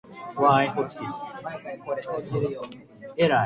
その服すごく似合ってるよ。